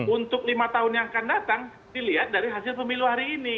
untuk lima tahun yang akan datang dilihat dari hasil pemilu hari ini